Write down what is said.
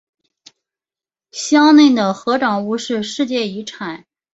乡内的合掌屋是世界遗产。